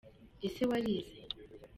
Ese warize?